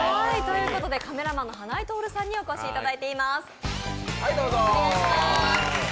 カメラマンの花井透さんにお越しいただいております。